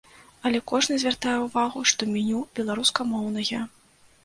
Але кожны звяртае ўвагу, што меню беларускамоўнае.